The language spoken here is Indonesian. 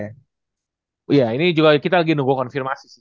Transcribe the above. iya ini juga kita lagi nunggu konfirmasi sih